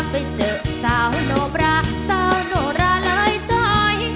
ไปเจอสาวโนบราสาวโนราเลยจ้อย